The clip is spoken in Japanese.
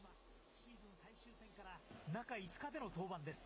シーズン最終戦から中５日での登板です。